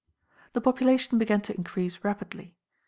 The population began to increase rapidly.